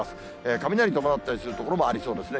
雷伴ったりする所もありそうですね。